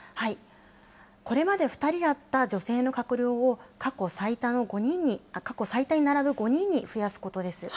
これまで２人だった女性の閣僚を、過去最多に並ぶ５人に増やすことです。